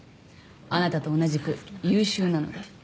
あなたと同じく優秀なので。